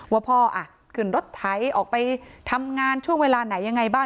ว่าพ่อขึ้นรถไถออกไปทำงานช่วงเวลาไหนยังไงบ้าง